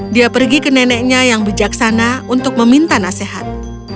dia pergi ke neneknya yang bijaksana untuk meminta nasihat